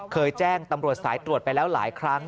เคยแจ้งตำรวจสายตรวจไปแล้วหลายครั้ง